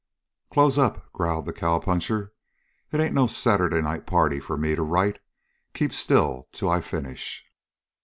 "Close up," growled the cowpuncher. "It ain't no Saturday night party for me to write. Keep still till I finish."